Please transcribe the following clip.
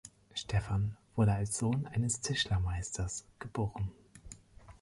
Stephan wurde als Sohn eines Tischlermeisters geboren.